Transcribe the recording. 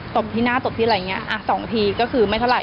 ตบที่หน้าตบที่อะไรอย่างเงี้อ่ะสองทีก็คือไม่เท่าไห